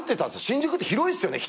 新宿って広いっすよね